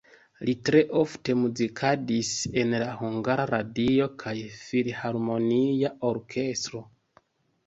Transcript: Li tre ofte muzikadis en la Hungara Radio kaj filharmonia orkestro.